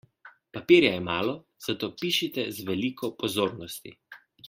Papirja je malo, zato pišite z veliko pozornosti.